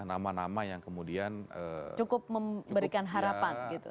nama nama yang kemudian cukup memberikan harapan gitu